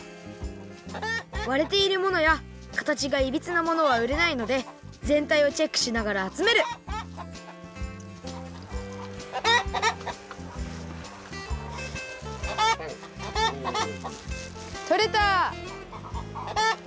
われているものやかたちがいびつなものはうれないのでぜんたいをチェックしながらあつめるとれた！